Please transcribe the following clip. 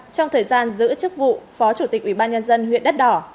trong thời gian giữ chức vụ phó chủ tịch ubnd huyện đất đỏ